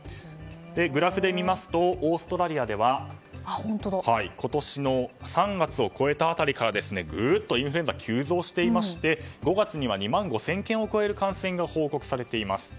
グラフで見るとオーストラリアでは今年の３月を超えた辺りからインフルエンザ急増していまして５月には２万５０００件を超える感染が報告されています。